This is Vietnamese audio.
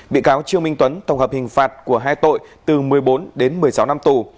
bị cáo trương minh tuấn tổng hợp hình phạt của hai tội từ một mươi bốn đến một mươi sáu năm tù